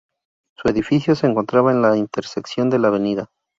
Su edificio se encontraba en la intersección de la Av.